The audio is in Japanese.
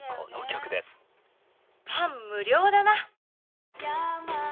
パン無量だな。